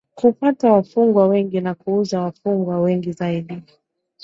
kupata wafungwa wengi na kuuza wafungwa wengi zaidi